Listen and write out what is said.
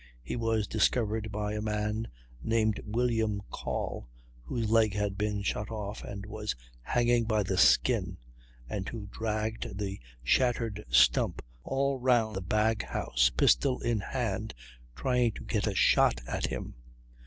He was discovered by a man named William Call, whose leg had been shot off and was hanging by the skin, and who dragged the shattered stump all round the bag house, pistol in hand, trying to get a shot at him.